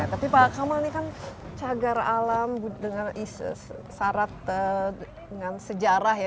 tapi pak kamal ini kan cagar alam dengan syarat dengan sejarah ya